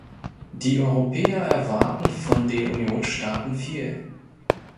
Die Europäer erwarten von den Unionsstaaten viel.